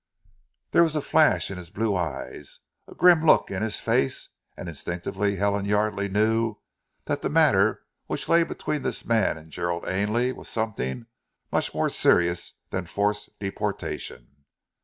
There was a flash in his blue eyes, a grim look in his face, and instinctively Helen Yardely knew that the matter which lay between this man and Gerald Ainley was something much more serious than forced deportation.